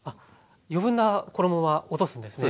余分な衣は落とすんですね。